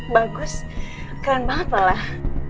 bagus keren banget lah